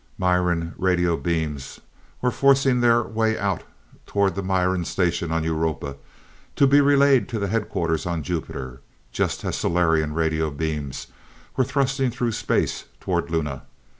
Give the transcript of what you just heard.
Miran radio beams were forcing their way out toward the Miran station on Europa, to be relayed to the headquarters on Jupiter, just as Solarian radio beams were thrusting through space toward Luna.